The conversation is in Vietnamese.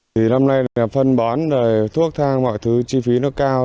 thì năm nay là phân bón rồi thuốc thang mọi thứ chi phí nó cao